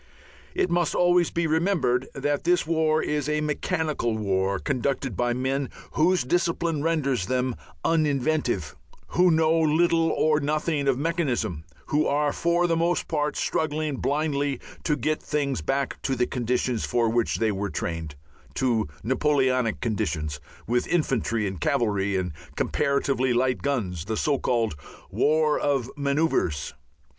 It must always be remembered that this war is a mechanical war conducted by men whose discipline renders them uninventive, who know little or nothing of mechanism, who are for the most part struggling blindly to get things back to the conditions for which they were trained, to Napoleonic conditions, with infantry and cavalry and comparatively light guns, the so called "war of manoeuvres."